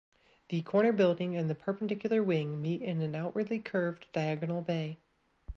The corner building and the perpendicular wing meet in an outwardly curved diagonal bay.